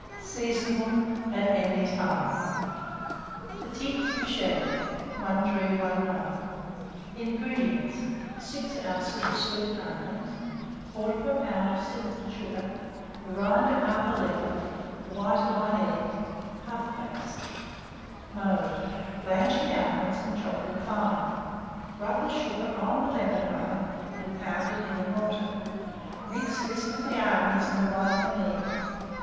Seasonable at any time. PETITES BOUCHEES. 1319. INGREDIENTS. 6 oz. of sweet almonds, 1/4 lb. of sifted sugar, the rind of 1/2 lemon, the white of 1 egg, puff paste. Mode. Blanch the almonds, and chop them fine; rub the sugar on the lemon rind, and pound it in a mortar; mix this with the almonds and the white of the egg.